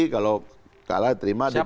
kalah terima dpp